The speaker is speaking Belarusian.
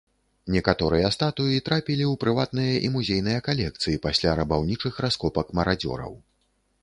Некаторыя статуі трапілі ў прыватныя і музейныя калекцыі пасля рабаўнічых раскопак марадзёраў.